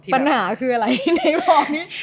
ปัญหาคืออะไรในวันนี้